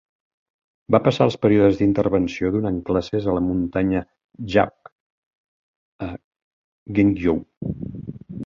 Va passar els períodes d'intervenció donant classes a la muntanya Jaok, a Gyeongju.